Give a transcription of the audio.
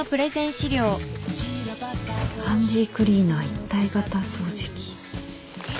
「ハンディークリーナー一体型掃除機」